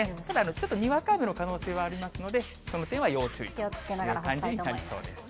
ちょっとにわか雨の可能性もありますので、その点は要注意という感じになりそうです。